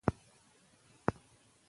ځینې کورنۍ د نجونو فعالیت نه مني.